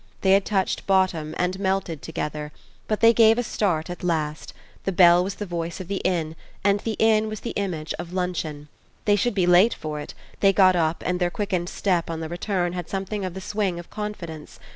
They had touched bottom and melted together, but they gave a start at last: the bell was the voice of the inn and the inn was the image of luncheon. They should be late for it; they got up, and their quickened step on the return had something of the swing of confidence.